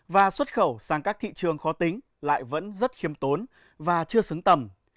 và xuất khẩu sang các thị trường khó tính lại vẫn rất khiêm tốn và chưa xứng tầm